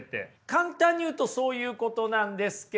簡単に言うとそういうことなんですけれども。